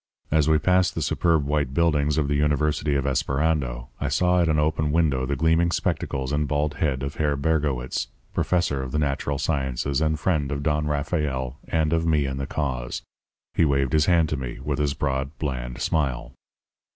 As we passed the superb white buildings of the University of Esperando, I saw at an open window the gleaming spectacles and bald head of Herr Bergowitz, professor of the natural sciences and friend of Don Rafael and of me and of the cause. He waved his hand to me, with his broad, bland smile.